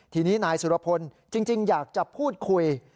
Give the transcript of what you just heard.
ทีนี้นายสุรพลจริงอยากจะพูดคุย